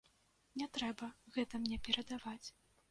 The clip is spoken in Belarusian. Не трэба гэта мне перадаваць.